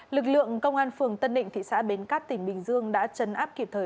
lực lượng công an phường tân định thị xã bến cát tỉnh bình dương đã chấn áp kịp thời